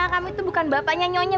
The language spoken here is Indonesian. kami itu bukan bapaknya nyonya